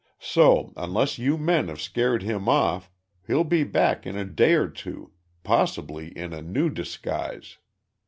So, unless you men have scared him off, he'll be back in a day or two possibly in a new disguise.